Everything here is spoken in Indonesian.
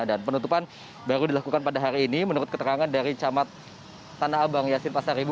dan penutupan baru dilakukan pada hari ini menurut keterangan dari camat tanah abang yasin pasar ibu